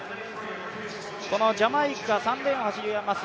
このジャマイカ、３レーンを走ります